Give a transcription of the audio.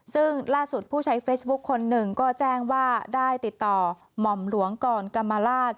ซึ่งล่าสุดผู้ใช้เฟซบุ๊คคนหนึ่งก็แจ้งว่าได้ติดต่อหม่อมหลวงก่อนกรรมราช